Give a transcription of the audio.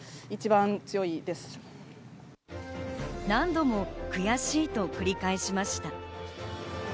何度も「悔しい」と繰り返しました。